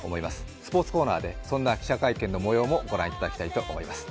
スポーツコーナーで、そんな記者会見のもようもご覧いただきたいと思います。